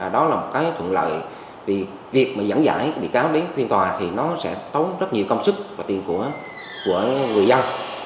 đó là một cái thuận lợi vì việc mà dẫn dải bị cáo đến phiên tòa thì nó sẽ tốn rất nhiều công sức và tiền của người dân